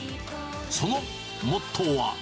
そのモットーは。